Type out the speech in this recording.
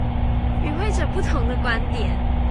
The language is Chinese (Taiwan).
與會者不同的觀點